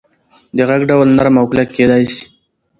د غږ ډول نرم او کلک کېدی سي.